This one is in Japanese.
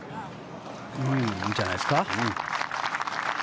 いいんじゃないですか。